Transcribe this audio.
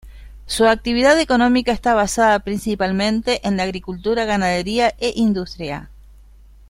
Su actividad económica está basada principalmente en la agricultura, ganadería e industria.